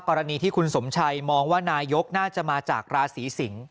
กรณีที่คุณสมชัยมองว่านายกน่าจะมาจากราศีสิงศ์